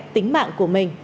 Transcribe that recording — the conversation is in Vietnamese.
tính mạng của mình